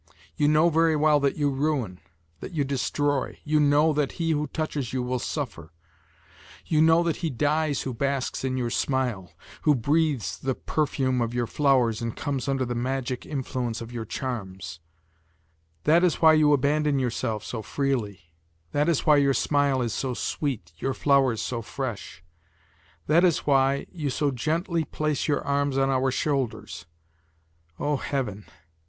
You know very well that you ruin, that you destroy, you know that he who touches you will suffer; you know that he dies who basks in your smile, who breathes the perfume of your flowers and comes under the magic influence of your charms; that is why you abandon yourself so freely, that is why your smile is so sweet, your flowers so fresh; that is why you so gently place your arms on our shoulders. O, Heaven!